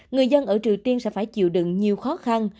người dân ở triều tiên sẽ phải chịu đựng nhiều khó khăn